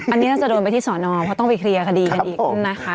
อันนี้น่าจะโดนไปที่สอนอเพราะต้องไปเคลียร์คดีกันอีกนะคะ